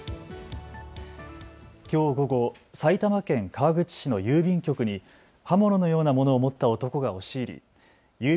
きょう午後、埼玉県川口市の郵便局に刃物のようなものを持った男が押し入り郵便